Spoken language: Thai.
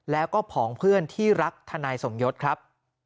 แล้วก็ผองเพื่อนที่รักทนายสมยศครับ